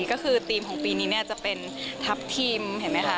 ก็คือทีมของปีนี้เนี่ยจะเป็นทัพทิมเห็นไหมคะ